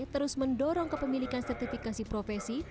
terus mendorong kepemilikan sertifikasi profesi